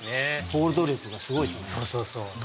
ホールド力がすごいですね。